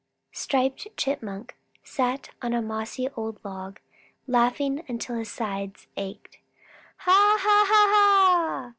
_ Striped Chipmunk sat on a mossy old log, laughing until his sides ached. "Ha, ha, ha!